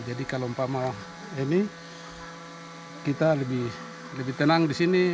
jadi kalau pak mau ini kita lebih tenang di sini